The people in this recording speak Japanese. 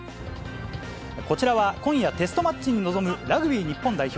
こちらは今夜、テストマッチに臨むラグビー日本代表。